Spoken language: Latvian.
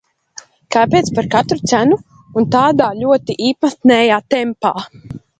Kāpēc par katru cenu un tādā ļoti īpatnējā tempā?